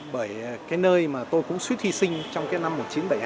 bởi cái nơi mà tôi cũng suyết hy sinh trong cái năm một nghìn chín trăm bảy mươi hai